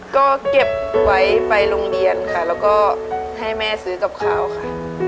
ก็เก็บไว้ไปโรงเรียนค่ะแล้วก็ให้แม่ซื้อกับข้าวค่ะ